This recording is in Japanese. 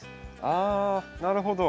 あなるほど。